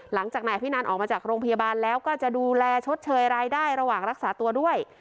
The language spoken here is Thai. หลังจากนายอภินันออกมาจากโรงพยาบาลแล้วก็จะดูแลชดเชยรายได้ระหว่างรักษาตัวด้วย